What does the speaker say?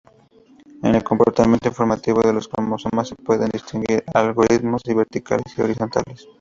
En el comportamiento informativo de los cromosomas, se pueden distinguir algoritmos verticales y horizontales.